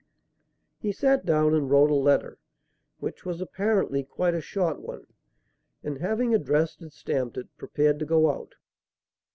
He sat down and wrote a letter, which was apparently quite a short one, and having addressed and stamped it, prepared to go out.